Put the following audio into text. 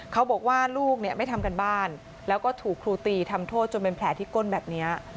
เขาบอกว่าลูกไม่ทำการบ้านแล้วก็ถูกครูตีทำโทษจนเป็นแผลที่ก้นแบบนี้